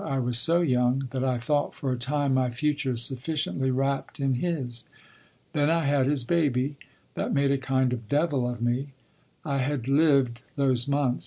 I was so young that I thought for a time my future sufficiently wrapped in his. Then I had his baby. That made a kind of devil of me. I had lived those months.